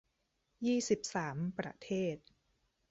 ยี่สิบสาม ประเทศ